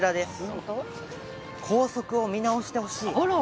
校則を見直してほしい。